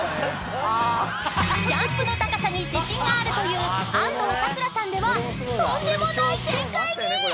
［ジャンプの高さに自信があるという安藤サクラさんではとんでもない展開に！］